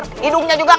tidak ada orangnya juga